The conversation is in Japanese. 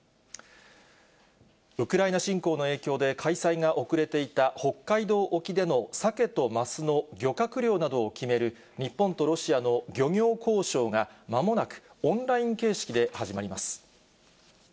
ウクライナ侵攻の影響で、開催が遅れていた、北海道沖でのサケとマスの漁獲量などを決める、日本とロシアの漁業交渉が、まもなく、オンライン形式で始まります。